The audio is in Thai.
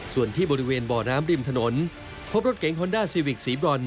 ส่วนที่บริเวณบ่อน้ำริมถนนพบรถเก๋งฮอนด้าซีวิกสีบรอน